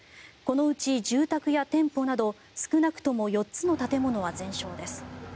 このうち住宅や店舗など少なくとも４つの建物は全焼です。